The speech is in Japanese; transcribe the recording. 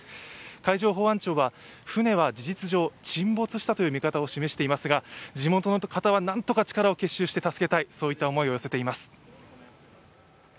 海上保安庁は船は事実上、沈没したという見方を示していますが、地元の方はなんとか力を結集して助けたい、そういった思いを寄せています。